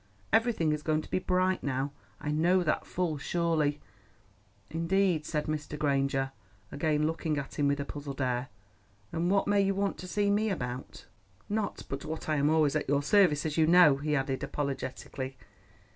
Everything is going to be bright now, I know that full surely." "Indeed," said Mr. Granger, again looking at him with a puzzled air, "and what may you want to see me about? Not but what I am always at your service, as you know," he added apologetically.